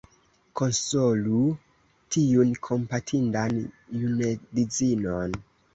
Konsolu tiun kompatindan junedzinon!..